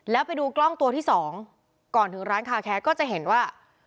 แล้วไปดูกล้องตัวที่สองก่อนถึงร้านคาแคร์ก็จะเห็นว่า